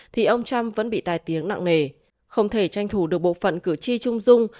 thì ông trump vẫn bị tai tiếng nặng nề không thể tranh thủ được bộ phận cử tri trung dung